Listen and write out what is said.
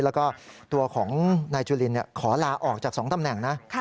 แล้วก็ตัวของนายจุลินขอลาออกจาก๒ตำแหน่งนะ